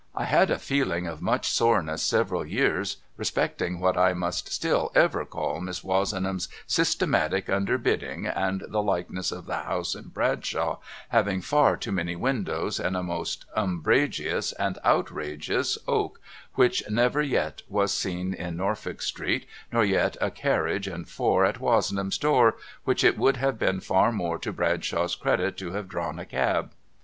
I had a feeling of much soreness several years respecting what I must still ever call Miss Wozenham's systematic underbidding and the likeness of the house in Bradshaw having far too many windows and a most umbrageous and outrageous Oak which never yet was seen in Norfolk street nor yet a carriage and four at Wozen ham's door, which it would have been far more to Bradshaw's credit to have drawn a cab.